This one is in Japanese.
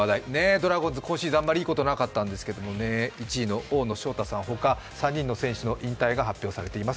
ドラゴンズ、今シーズンあまりいいことなかったんですが、１位の大野奨太さんほか、３人の選手の引退が発表されています。